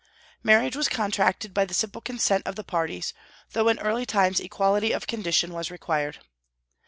Marriage was contracted by the simple consent of the parties, though in early times equality of condition was required.